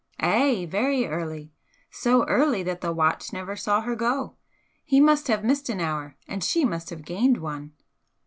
"Ay! Very early! So early that the watch never saw her go. He must have missed an hour and she must have gained one."